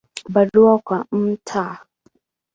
Barua kwa Mt.